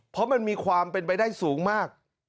เพราะมันมีความเป็นไปได้สูงมาก